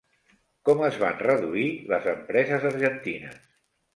Com es van reduir les empreses argentines?